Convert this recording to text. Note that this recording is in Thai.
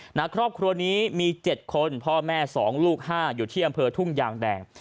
หน้าครอบครัวนี้มี๗คนพ่อแม่๒ลูก๕อยู่ที่อำเภอทุ่งยางแดง